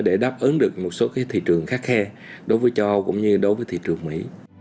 để đáp ứng được một số cái thị trường khắc khe đối với châu âu cũng như đối với thị trường mỹ